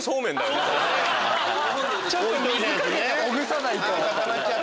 ちょっと水かけてほぐさないと。